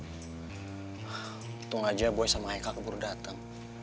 hitung aja boy sama eka keburu datang